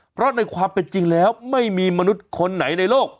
เพราะในความเป็นจริงแล้วไม่มีมนุษย์คนไหนในโลก